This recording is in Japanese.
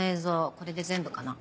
これで全部かな。